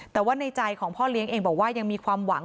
แต่ว่าในใจของพ่อเลี้ยงเองบอกว่ายังมีความหวัง